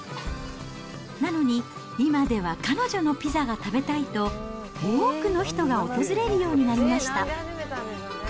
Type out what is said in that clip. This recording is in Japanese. なのに、今では彼女のピザが食べたいと、多くの人が訪れるようになりました。